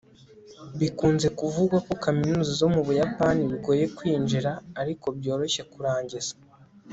bikunze kuvugwa ko kaminuza zo mubuyapani bigoye kwinjira, ariko byoroshye kurangiza